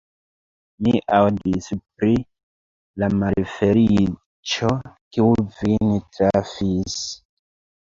Mi aŭdis pri la malfeliĉo, kiu vin trafis.